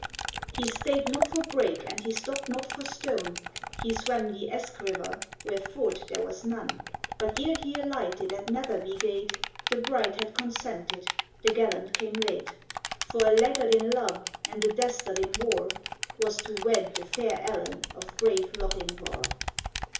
He stayed not for brake, and he stopped not for stone, He swam the Esk river, where ford there was none; But ere he alighted at Netherby gate, The bride had consented, the gallant came late: For a laggard in love, and a dastard in war, Was to wed the fair Ellen of brave Lochinvar.